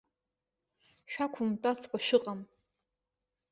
Шәақәымтәацкәа шәыҟам?